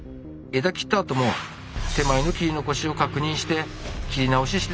枝切ったあとも手前の切り残しを確認して切り直ししてたから。